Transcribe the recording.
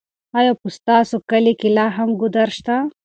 ایا په ستاسو کلي کې لا هم ګودر شته؟